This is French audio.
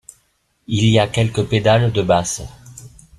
Il y a quelques pédales de basse.